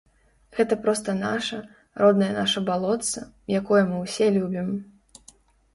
Гэта проста наша, роднае наша балотца, якое мы ўсе любім.